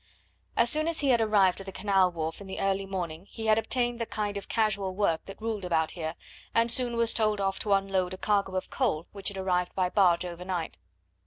As soon as he had arrived at the canal wharf in the early morning he had obtained the kind of casual work that ruled about here, and soon was told off to unload a cargo of coal which had arrived by barge overnight.